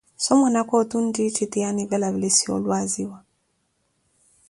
so mwanaka otu nttiitthi tiye anivelavelisiyeeyo olwaziwa.